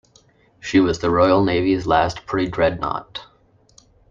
She was the Royal Navy's last pre-dreadnought.